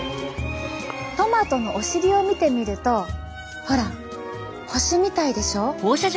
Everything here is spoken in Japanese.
トマトのお尻を見てみるとほら星みたいでしょ？